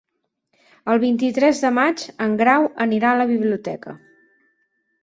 El vint-i-tres de maig en Grau anirà a la biblioteca.